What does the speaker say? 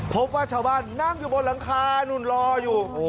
พบว่าชาวบ้านนั่งอยู่บนหลังคานู่นรออยู่